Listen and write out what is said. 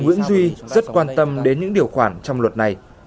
nguyễn duy rất quan tâm đến những điều khoản trong luật này